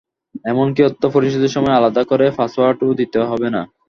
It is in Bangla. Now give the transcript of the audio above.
এমনকি অর্থ পরিশোধের সময় আলাদা করে পাসওয়ার্ডও দিতে হবে না।